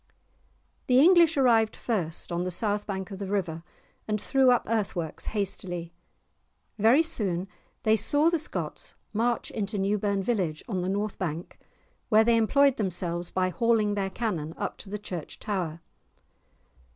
The English arrived first, on the south bank of the river, and threw up earth works hastily. Very soon they saw the Scots march into Newburn village, on the north bank, where they employed themselves by hauling their cannon up to the church tower.